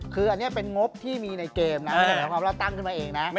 คืออันนี้เป็นงบที่มีในเกมนะเหมือนกับเราตั้งขึ้นมาเองนะ